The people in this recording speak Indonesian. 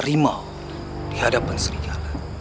tidak ada lagi masalah